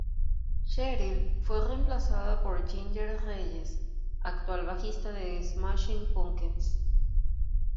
Cheryl fue reemplazada por Ginger Reyes, actual bajista de Smashing Pumpkins.